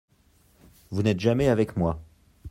Vous n’êtes jamais avec moi.